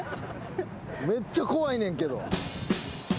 めっちゃ怖いねんけど。